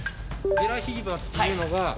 デラヒーバっていうのが。